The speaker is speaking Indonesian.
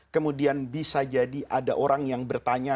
kemudian bisa jadi ada orang yang bertanya